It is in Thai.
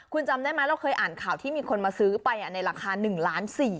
คุณจำได้ไหมเราเคยอ่านข่าวที่มีคนมาซื้อไปในราคา๑ล้าน๔๐๐บาท